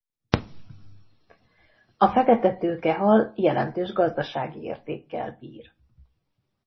A fekete tőkehal jelentős gazdasági értékkel bír.